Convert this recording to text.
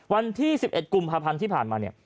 วันที่๑๑กุมภาพันธุ์ที่ผ่านมา